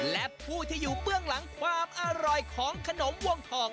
และผู้ที่อยู่เบื้องหลังความอร่อยของขนมวงทอง